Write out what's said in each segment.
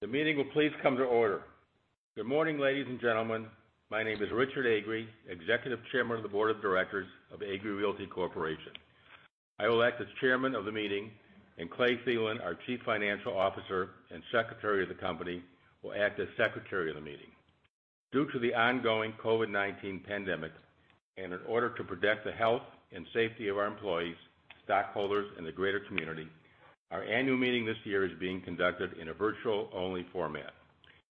The meeting will please come to order. Good morning, ladies and gentlemen. My name is Richard Agree, Executive Chairman of the board of directors of Agree Realty Corporation. I will act as chairman of the meeting, and Clay Thelen, our Chief Financial Officer and Secretary of the company, will act as secretary of the meeting. Due to the ongoing COVID-19 pandemic, and in order to protect the health and safety of our employees, stockholders, and the greater community, our annual meeting this year is being conducted in a virtual-only format.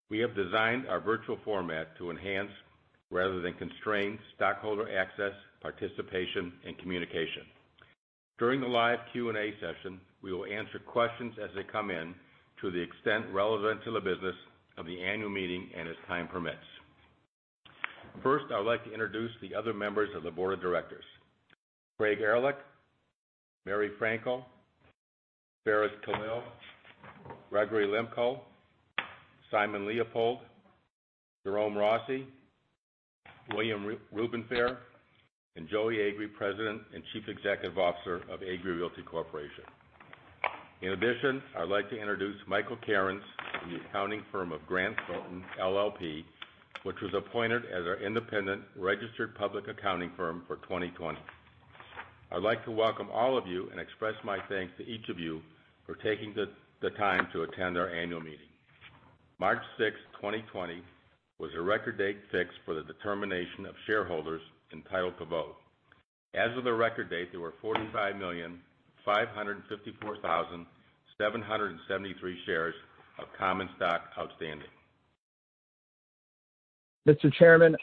We have designed our virtual format to enhance rather than constrain stockholder access, participation, and communication. During the live Q&A session, we will answer questions as they come in to the extent relevant to the business of the annual meeting and as time permits. First, I would like to introduce the other members of the board of directors, Craig Erlich, Merrie Frankel, Farris Kalil, Gregory LeKander, Simon Leopold, Jerome Rossi, William Rubenstein, and Joey Agree, President and Chief Executive Officer of Agree Realty Corporation. In addition, I'd like to introduce Michael Karens from the accounting firm of Grant Thornton LLP, which was appointed as our independent registered public accounting firm for 2020. I'd like to welcome all of you and express my thanks to each of you for taking the time to attend our annual meeting. March 6th, 2020, was the record date fixed for the determination of shareholders entitled to vote. As of the record date, there were 45,554,773 shares of common stock outstanding. Mr. Chairman,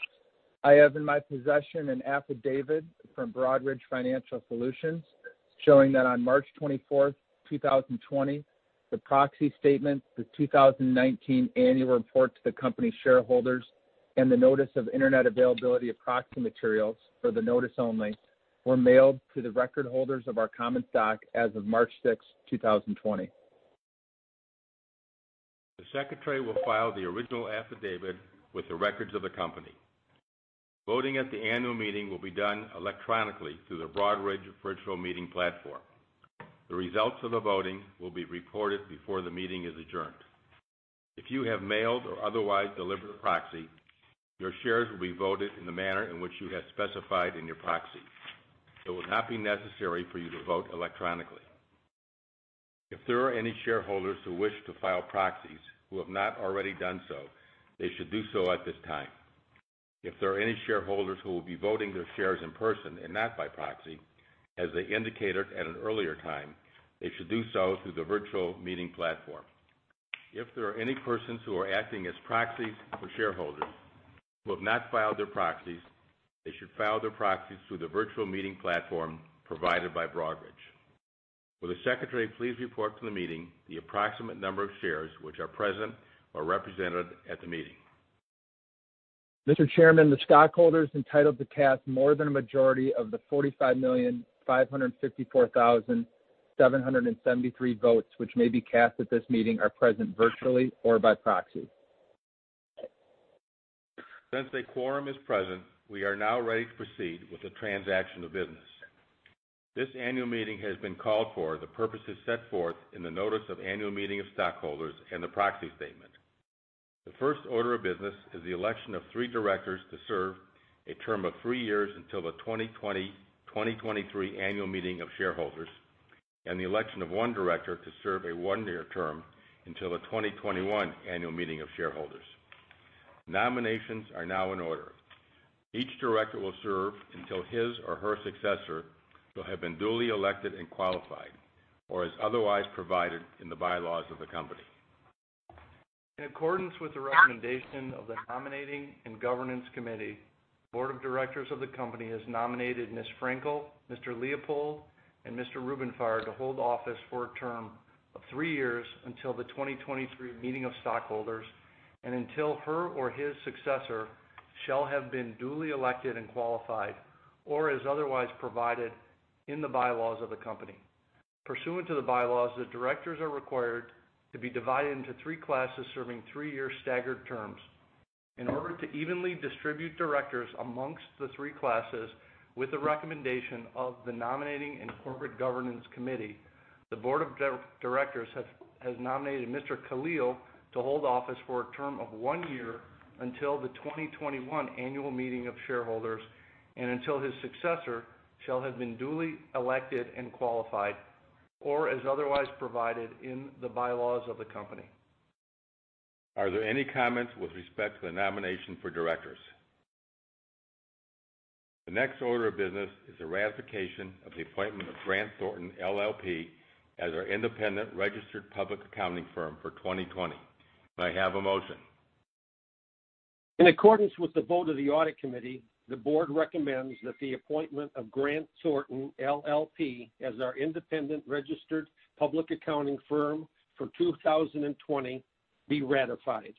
I have in my possession an affidavit from Broadridge Financial Solutions showing that on March 24th, 2020, the proxy statement, the 2019 annual report to the company shareholders, and the notice of internet availability of proxy materials for the notice only, were mailed to the record holders of our common stock as of March 6, 2020. The secretary will file the original affidavit with the records of the company. Voting at the annual meeting will be done electronically through the Broadridge virtual meeting platform. The results of the voting will be reported before the meeting is adjourned. If you have mailed or otherwise delivered a proxy, your shares will be voted in the manner in which you have specified in your proxy. It will not be necessary for you to vote electronically. If there are any shareholders who wish to file proxies who have not already done so, they should do so at this time. If there are any shareholders who will be voting their shares in person and not by proxy, as they indicated at an earlier time, they should do so through the virtual meeting platform. If there are any persons who are acting as proxies for shareholders who have not filed their proxies, they should file their proxies through the virtual meeting platform provided by Broadridge. Will the secretary please report to the meeting the approximate number of shares which are present or represented at the meeting? Mr. Chairman, the stockholders entitled to cast more than a majority of the 45,554,773 votes which may be cast at this meeting are present virtually or by proxy. Since a quorum is present, we are now ready to proceed with the transaction of business. This annual meeting has been called for the purposes set forth in the notice of annual meeting of stockholders and the proxy statement. The first order of business is the election of three directors to serve a term of three years until the 2023 annual meeting of shareholders and the election of one director to serve a one-year term until the 2021 annual meeting of shareholders. Nominations are now in order. Each director will serve until his or her successor shall have been duly elected and qualified, or as otherwise provided in the bylaws of the company. In accordance with the recommendation of the nominating and governance committee, the Board of Directors of the company has nominated Ms. Frankel, Mr. Leopold, and Mr. Rubenstein to hold office for a term of three years until the 2023 meeting of stockholders and until her or his successor shall have been duly elected and qualified or as otherwise provided in the bylaws of the company. Pursuant to the bylaws, the directors are required to be divided into three classes serving three-year staggered terms. In order to evenly distribute directors amongst the three classes with the recommendation of the nominating and corporate governance committee, the Board of Directors has nominated Mr. Kalil to hold office for a term of one year until the 2021 annual meeting of shareholders and until his successor shall have been duly elected and qualified or as otherwise provided in the bylaws of the company. Are there any comments with respect to the nomination for directors? The next order of business is the ratification of the appointment of Grant Thornton LLP as our independent registered public accounting firm for 2020. May I have a motion? In accordance with the vote of the Audit Committee, the Board recommends that the appointment of Grant Thornton LLP as our independent registered public accounting firm for 2020 be ratified.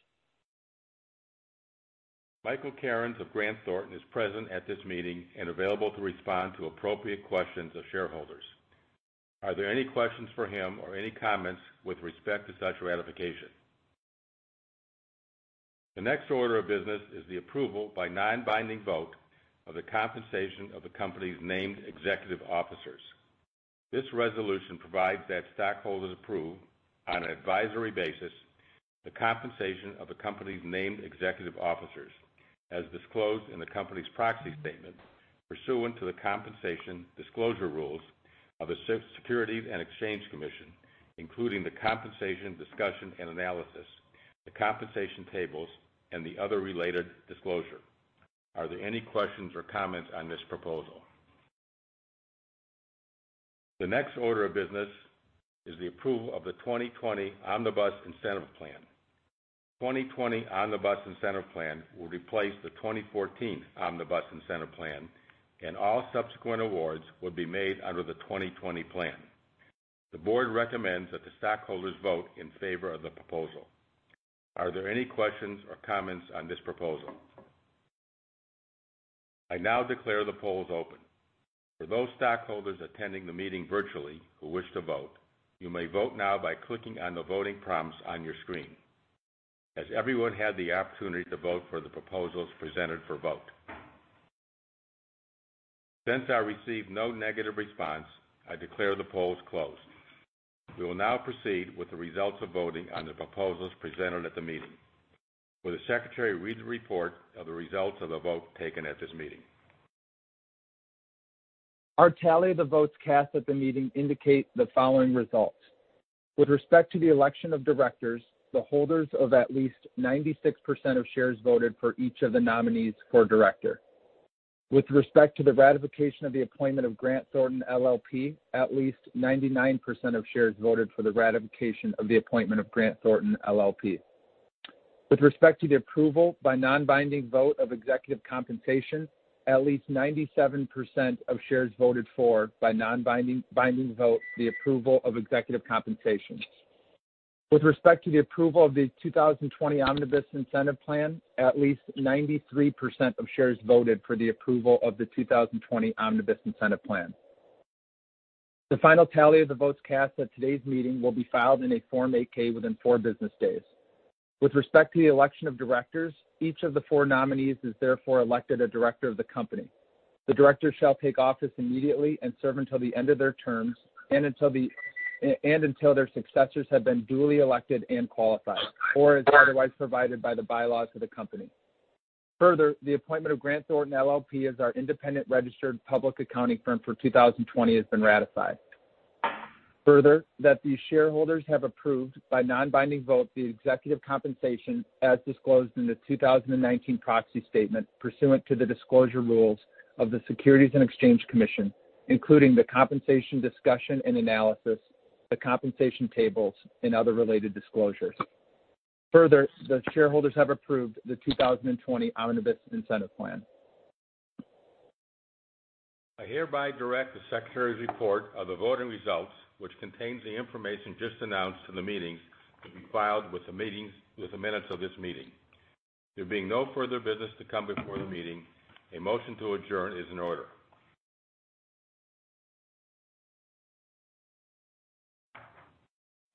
Michael Karens of Grant Thornton is present at this meeting and available to respond to appropriate questions of shareholders. Are there any questions for him or any comments with respect to such ratification? The next order of business is the approval by non-binding vote of the compensation of the company's named executive officers. This resolution provides that stockholders approve, on an advisory basis, the compensation of the company's named executive officers, as disclosed in the company's proxy statement pursuant to the compensation disclosure rules of the Securities and Exchange Commission, including the compensation discussion and analysis, the compensation tables, and the other related disclosure. Are there any questions or comments on this proposal? The next order of business is the approval of the 2020 Omnibus Incentive Plan. The 2020 Omnibus Incentive Plan will replace the 2014 Omnibus Incentive Plan, and all subsequent awards will be made under the 2020 Plan. The board recommends that the stockholders vote in favor of the proposal. Are there any questions or comments on this proposal? I now declare the polls open. For those stockholders attending the meeting virtually who wish to vote, you may vote now by clicking on the voting prompts on your screen. Has everyone had the opportunity to vote for the proposals presented for vote? Since I received no negative response, I declare the polls closed. We will now proceed with the results of voting on the proposals presented at the meeting. Will the Secretary read the report of the results of the vote taken at this meeting? Our tally of the votes cast at the meeting indicate the following results. With respect to the election of directors, the holders of at least 96% of shares voted for each of the nominees for director. With respect to the ratification of the appointment of Grant Thornton LLP, at least 99% of shares voted for the ratification of the appointment of Grant Thornton LLP. With respect to the approval by non-binding vote of executive compensation, at least 97% of shares voted for, by non-binding vote, the approval of executive compensation. With respect to the approval of the 2020 Omnibus Incentive Plan, at least 93% of shares voted for the approval of the 2020 Omnibus Incentive Plan. The final tally of the votes cast at today's meeting will be filed in a Form 8-K within four business days. With respect to the election of directors, each of the four nominees is therefore elected a director of the company. The director shall take office immediately and serve until the end of their terms and until their successors have been duly elected and qualified, or as otherwise provided by the bylaws of the company. Further, the appointment of Grant Thornton LLP as our independent registered public accounting firm for 2020 has been ratified. Further, that the shareholders have approved by non-binding vote the executive compensation as disclosed in the 2019 proxy statement pursuant to the disclosure rules of the Securities and Exchange Commission, including the compensation discussion and analysis, the compensation tables, and other related disclosures. Further, the shareholders have approved the 2020 Omnibus Incentive Plan. I hereby direct the Secretary's report of the voting results, which contains the information just announced in the meeting, to be filed with the minutes of this meeting. There being no further business to come before the meeting, a motion to adjourn is in order.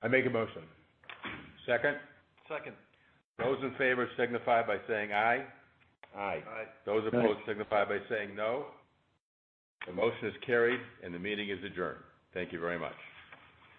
I make a motion. Second. Second. Those in favor signify by saying aye. Aye. Aye. Those opposed signify by saying no. The motion is carried and the meeting is adjourned. Thank you very much.